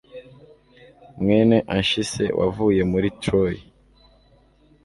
Mwene Anchise wavuye muri Troy